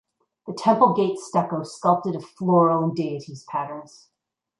The temple gate stucco sculpted of floral and deities patterns.